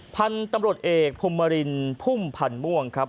พันธุ์ตำรวจเอกพุมรินพุ่มพันธ์ม่วงครับ